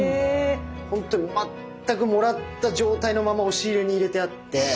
ほんとに全くもらった状態のまま押し入れに入れてあって。